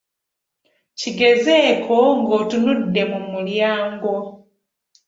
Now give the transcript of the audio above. Kigezeeko ng'otunudde mu mulyango.